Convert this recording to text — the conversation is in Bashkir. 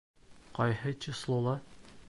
Ҡайһы числола?